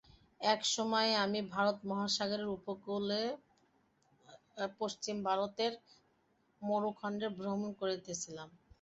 এক সময়ে আমি ভারত-মহাসাগরের উপকূলে পশ্চিম-ভারতের মরুখণ্ডে ভ্রমণ করিতেছিলাম।